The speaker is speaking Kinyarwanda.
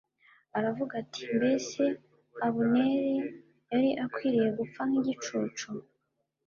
aravuga ati “Mbese Abuneri yari akwiriye gupfa nk’igicucu?